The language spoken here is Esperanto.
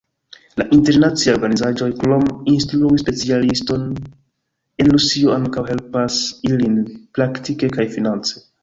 La internaciaj organizaĵoj, krom instrui specialistojn el Rusio, ankaŭ helpas ilin praktike kaj finance.